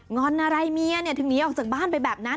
อนอะไรเมียเนี่ยถึงหนีออกจากบ้านไปแบบนั้น